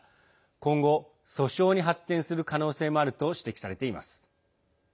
今後、訴訟に発展する可能性もあると指摘されています。